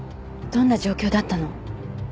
どんな状況だったの？